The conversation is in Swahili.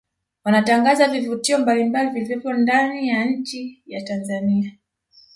Wanatangaza vivutio mbalimbali vilivyopo ndani ya nchi ya Tanzania